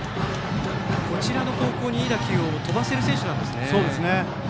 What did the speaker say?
こちらの方向にいい打球を飛ばせる選手なんですね。